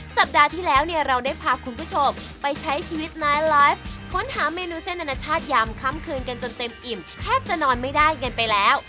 สัปดาห์ที่แล้วเนี่ยเราได้พาคุณผู้ชมไปใช้ชีวิตไลฟ์ค้นหาเมนูเส้นอนาชาติยามค่ำคืนกันจนเต็มอิ่มแทบจะนอนไม่ได้กันไปแล้ว